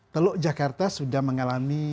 teluk jakarta sudah mengalami